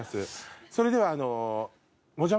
それでは。